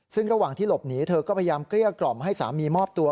ซึ่งระหว่างที่หลบหนีเธอก็พยายามเกลี้ยกล่อมให้สามีมอบตัว